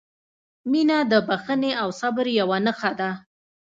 • مینه د بښنې او صبر یوه نښه ده.